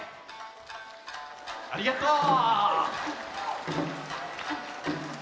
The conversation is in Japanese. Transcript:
ありがとう！